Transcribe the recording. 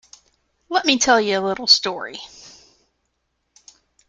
Let me tell you a little story.